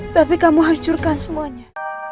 tapi kamu hancurkan semuanya